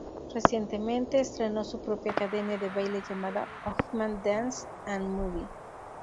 Recientemente estrenó su propia academia de baile llamada Hoffman Dance and Move.